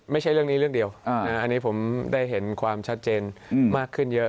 ไม่ใช่เรื่องนี้เรื่องเดียวอันนี้ผมได้เห็นความชัดเจนมากขึ้นเยอะ